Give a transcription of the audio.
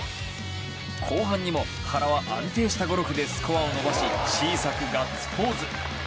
後半にも、原は安定したゴルフでスコアを伸ばし小さくガッツポーズ。